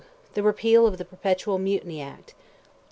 The repeal of the Perpetual Mutiny Act.